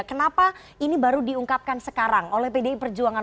kenapa ini baru diungkapkan sekarang oleh pdi perjuangan